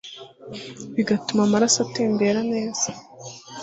bigatuma amaraso atembera neza